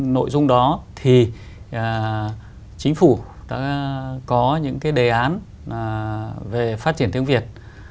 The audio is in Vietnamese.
nội dung đó thì chính phủ đã có những cái đề án về phát triển tiếng việt